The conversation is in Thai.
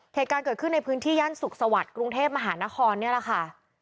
เหตุการณ์เกิดขึ้นในพื้นที่ย่านสุขสวัสดิ์กรุงเทพมหานครนี่แหละค่ะ